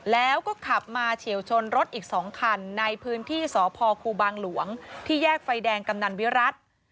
แล้วก็ขับมาเฉียวชนรถอีก๒คันในพื้นที่สพครูบางหลวงที่แยกไฟแดงกำนันวิรัติ